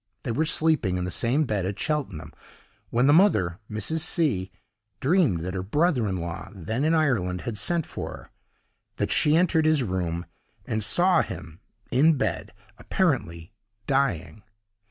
They were sleeping in the same bed at Cheltenham, when the mother, Mrs. C——, dreamed that her brother in law, then in Ireland, had sent for her; that she entered his room, and saw him in bed, apparently dying.